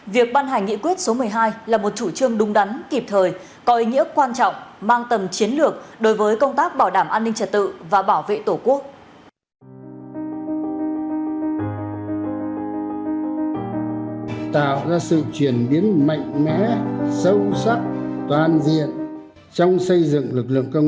việc ban hành nghị quyết số một mươi hai là một chủ trương đúng đắn kịp thời có ý nghĩa quan trọng mang tầm chiến lược đối với công tác bảo đảm an ninh trật tự và bảo vệ tổ quốc